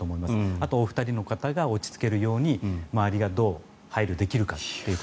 あとお二人の方が落ち着けるように周りがどう配慮できるか。